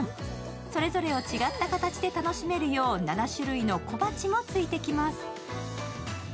それぞれを違った形で楽しめるよう７種類の小鉢もついてきます。